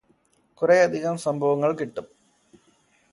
കുറേയധികം സംഭവങ്ങൾ കിട്ടും